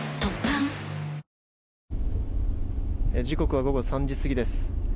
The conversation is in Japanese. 時刻は午後３時過ぎです。